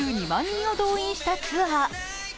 人を動員したツアー。